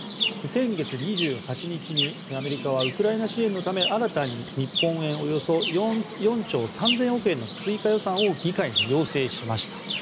先月２８日にアメリカはウクライナ支援のため新たに日本円およそ４兆３０００億円の追加予算を議会に要請しました。